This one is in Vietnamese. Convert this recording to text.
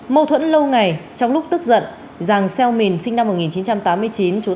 mâu thuẫn lâu ngày trong lúc tức giận giàng xeo mìn sinh năm một nghìn chín trăm tám mươi chín trú